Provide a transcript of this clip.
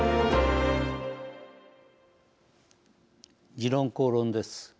「時論公論」です。